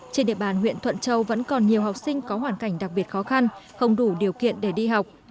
trên địa bàn huyện thuận châu vẫn còn nhiều học sinh có hoàn cảnh đặc biệt khó khăn không đủ điều kiện để đi học